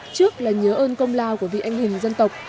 trước là nhớ ơn công lao của vị anh hùng dân tộc